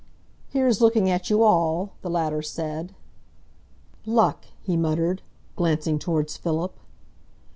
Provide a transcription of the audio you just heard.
"Here's looking at you all," the latter said. "Luck!" he muttered, glancing towards Philip.